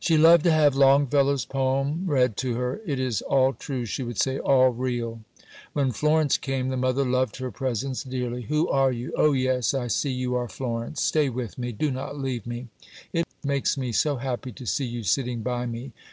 She loved to have Longfellow's poem read to her; "it is all true," she would say, "all real." When Florence came, the mother loved her presence dearly. "Who are you? Oh, yes, I see you are Florence. Stay with me. Do not leave me. It makes me so happy to see you sitting by me.